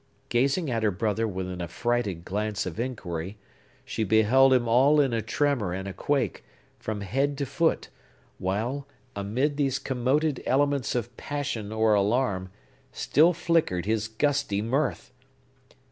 Gazing at her brother with an affrighted glance of inquiry, she beheld him all in a tremor and a quake, from head to foot, while, amid these commoted elements of passion or alarm, still flickered his gusty mirth.